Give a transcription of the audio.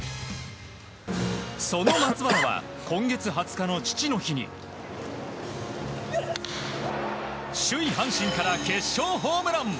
その松原は今月２０日の父の日に首位、阪神から決勝ホームラン！